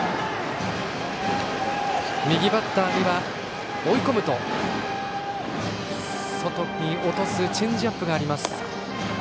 右バッターには、追い込むと外に落とすチェンジアップがあります。